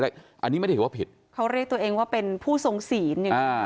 อันนี้ไม่ได้เห็นว่าผิดเขาเรียกตัวเองว่าเป็นผู้ทรงศีล